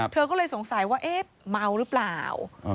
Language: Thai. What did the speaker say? เธอก็เลยสงสัยว่าเอ๊ะเมาหรือเปล่า